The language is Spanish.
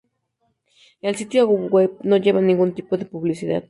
El sitio web no lleva ningún tipo de publicidad.